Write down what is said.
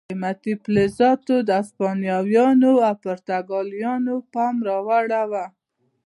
قیمتي فلزاتو د هسپانویانو او پرتګالیانو پام را اړاوه.